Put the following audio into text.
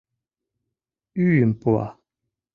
Ӱйым пуа.